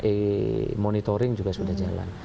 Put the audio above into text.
e monitoring juga sudah jalan